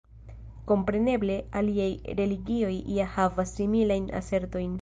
Kompreneble aliaj religioj ja havas similajn asertojn.